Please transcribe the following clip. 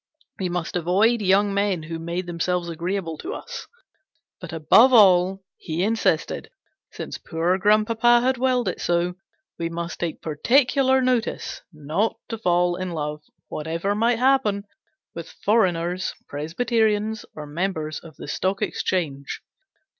We must avoid young men who made themselves agreeable to us. But above all, he insisted since poor grandpapa had willed it so we must take particular notice not to fall in love, whatever might happen, with foreigners, Presbyterians, or members of the Stock Exchange.